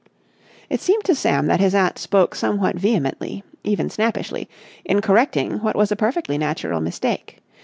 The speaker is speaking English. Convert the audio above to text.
It seemed to Sam that his aunt spoke somewhat vehemently, even snappishly, in correcting what was a perfectly natural mistake.